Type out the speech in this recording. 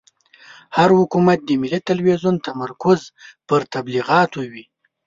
هر حکومت د ملي تلویزون تمرکز پر تبلیغاتو وي.